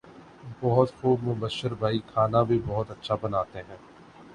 بہت خوب مبشر بھائی کھانا بھی بہت اچھا بناتے ہیں